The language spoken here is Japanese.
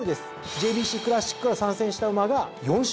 ＪＢＣクラシックから参戦した馬が４勝。